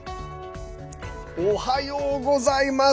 おはようございます。